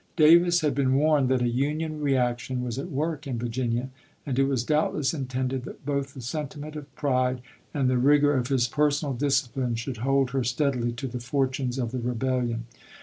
Davis had been warned that a Union reaction was at work in Vir ginia ; and it was doubtless intended that both the sentiment of pride and the rigor of his personal discipline should hold her steadily to the fortunes of the rebellion.